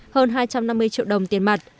hơn hai trăm năm mươi triệu đồng tiền mặt